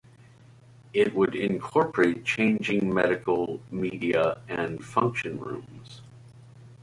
It would incorporate changing, medical, media and function rooms.